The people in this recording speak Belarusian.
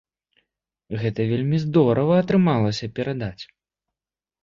Гэта вельмі здорава атрымалася перадаць!